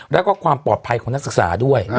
แล้วก็ความปลอดภัยของนักศึกษาด้วย